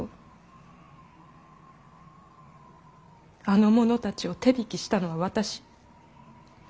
あの者たちを手引きしたのは私。